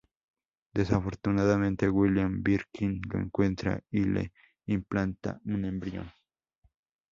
Desafortunadamente, William Birkin lo encuentra y le implanta un embrión.